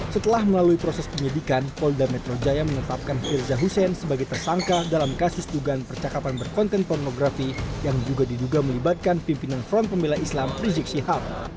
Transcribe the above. setelah melalui proses penyidikan polda metro jaya menetapkan firza hussein sebagai tersangka dalam kasus dugaan percakapan berkonten pornografi yang juga diduga melibatkan pimpinan front pembela islam rizik sihab